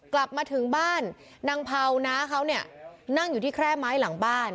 กลับมาถึงบ้านนางเผาน้าเขาเนี่ยนั่งอยู่ที่แคร่ไม้หลังบ้าน